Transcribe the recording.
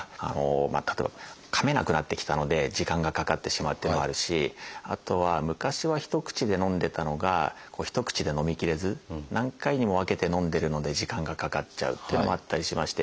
例えばかめなくなってきたので時間がかかってしまうっていうのもあるしあとは昔は一口でのんでたのが一口でのみきれず何回にも分けてのんでるので時間がかかっちゃうっていうのもあったりしまして。